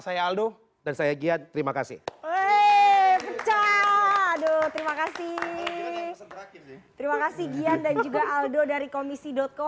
saya aldo dan saya gian terima kasih terima kasih terima kasih gia dan juga aldo dari komisi com